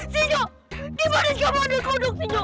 sinyok di badan kamu ada kodok sinyok